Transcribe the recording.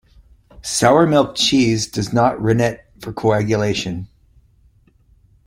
Sour milk cheese does not use rennet for coagulation.